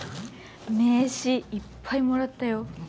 名刺いっぱいもらったよ。